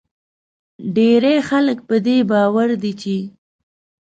ډیری خلک په دې باور دي چې